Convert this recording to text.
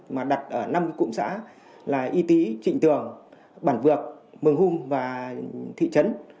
mà đặt ở năm cụm xã là y tý trịnh tường bản vược mường hung và thị trấn